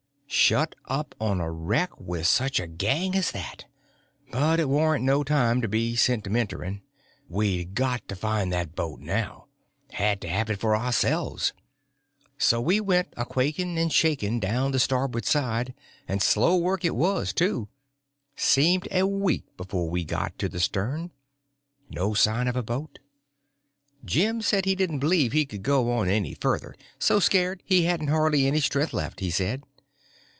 Shut up on a wreck with such a gang as that! But it warn't no time to be sentimentering. We'd got to find that boat now—had to have it for ourselves. So we went a quaking and shaking down the stabboard side, and slow work it was, too—seemed a week before we got to the stern. No sign of a boat. Jim said he didn't believe he could go any further—so scared he hadn't hardly any strength left, he said.